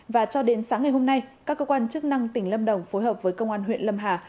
và cho đến sáng ngày hôm nay các cơ quan chức năng tỉnh lâm đồng phối hợp với công an huyện lâm hà